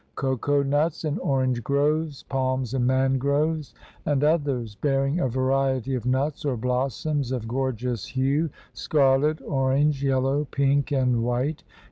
Cocoa nuts and orange groves, palms, and mangroves, and others, bearing a variety of nuts or blossoms of gorgeous hue, scarlet, orange, yellow, pink, and white.